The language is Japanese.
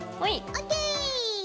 ＯＫ。